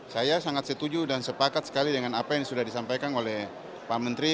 saya sangat setuju dan sepakat sekali dengan apa yang sudah disampaikan oleh pak menteri